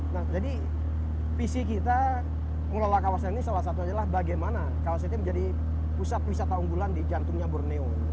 nah jadi visi kita mengelola kawasan ini salah satunya adalah bagaimana kawasan ini menjadi pusat wisata unggulan di jantungnya borneo